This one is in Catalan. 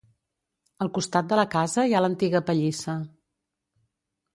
Al costat de la casa hi ha l'antiga pallissa.